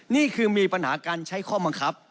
นี่คือมีปัญหาการใช้ข้อบังคับ